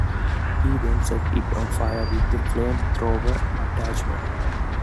He then sets it on fire with the flamethrower attachment.